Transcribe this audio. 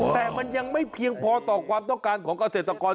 แต่มันยังไม่เพียงพอต่อความต้องการของเกษตรกร